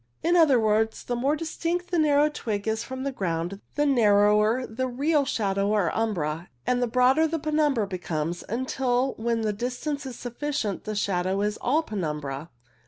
In other words, the more distant the narrow twig is from the ground the narrower the real shadow or umbra, and the broader the penumbra becomes, until when the distance is sufficient the shadow is all penumbra.